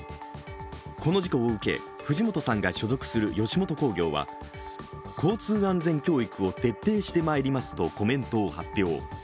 この事故を受け、藤本さんが所属する吉本興業は、交通安全教育を徹底してまいりますとコメントを発表。